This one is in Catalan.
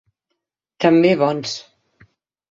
També bons.